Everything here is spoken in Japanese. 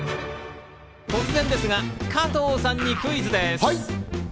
突然ですが加藤さんにクイズです。